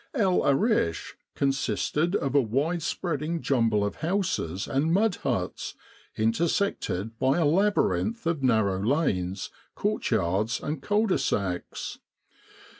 El Arish consisted of <e wide spreading jumble of houses and mud huts, intersected by a labyrinth of narrow lanes, courtyards, and cul de sacs.